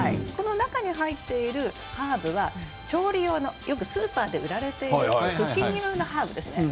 この中に入っているハーブは調理用のよくスーパーで売られているものです。